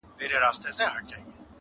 او نه ختمېدونکی اثر لري ډېر,